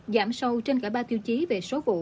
giảm sâu trên cả ba tiêu chí về số vụ